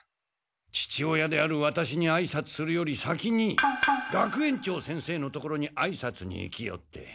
父親であるワタシにあいさつするより先に学園長先生のところにあいさつに行きよって。